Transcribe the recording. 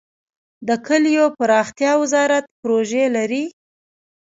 د کلیو پراختیا وزارت پروژې لري؟